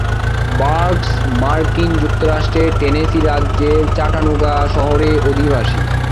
Barks মার্কিন যুক্তরাষ্ট্রের Tennessee রাজ্যের চাটানুগা শহরের অধিবাসী।